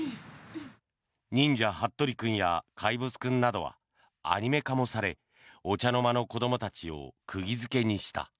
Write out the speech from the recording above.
「忍者ハットリくん」や「怪物くん」などはアニメ化もされお茶の間の子どもたちを釘付けにした。